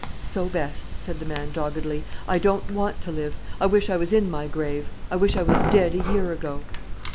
"So best," said the man, doggedly. "I don't want to live; I wish I was in my grave; I wish I was dead a year ago."